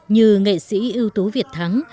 như nghệ sĩ ưu tú việt thắng